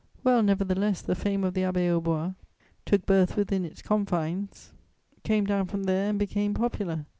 Well, nevertheless, the fame of the Abbaye aux Bois took birth within its confines, came down from there, and became popular.